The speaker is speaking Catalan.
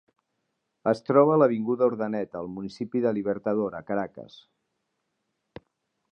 Es troba a l'avinguda Urdaneta, al municipi de Libertador, a Caracas.